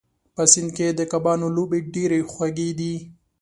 په سیند کې د کبانو لوبې ډېرې خوږې دي.